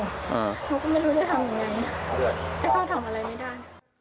แล้วก็ไม่รู้จะทำอย่างไรแต่เขาทำอะไรไม่ได้